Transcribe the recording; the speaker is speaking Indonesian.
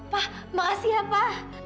pak makasih ya pak